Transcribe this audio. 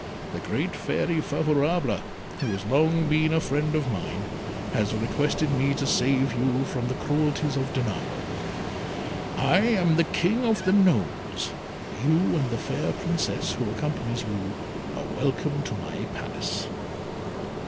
The great Fairy Favourable, who has long been a friend of mine, has requested me to save you from the cruelties of Danamo. I am the King of the Gnomes. You and the fair Princess who accompanies you are welcome to my Palace."